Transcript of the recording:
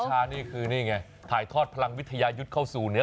แต่ถ้าใช้มือมันจะทั่วหมดไงเวลาหมัดมันก็จะทั่วถึงหมดเลย